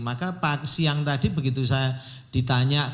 maka pak siang tadi begitu saya ditanya keluar